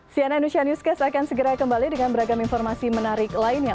cnn indonesia newscast akan segera kembali dengan beragam informasi menarik lainnya